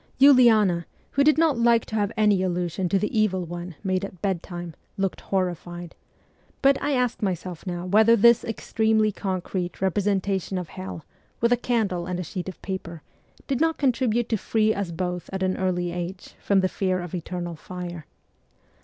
Uliana, who did not like to have any allusion to the evil one made at bedtime, looked horrified ; but I ask myself now whether this extremely concrete representation of hell, with a candle and a sheet of paper, did not contribute to free us both at an early age from the fear of eternal fire.